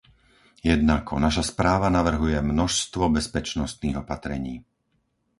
Jednako, naša správa navrhuje množstvo bezpečnostných opatrení.